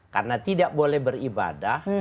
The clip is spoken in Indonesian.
karena tidak boleh beribadah